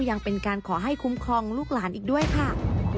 ยังเป็นการขอให้คุ้มครองลูกหลานอีกด้วยค่ะ